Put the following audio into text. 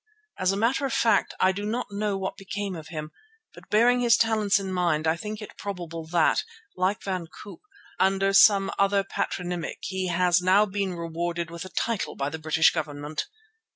As a matter of fact I do not know what became of him, but bearing his talents in mind I think it probable that, like Van Koop, under some other patronymic he has now been rewarded with a title by the British Government.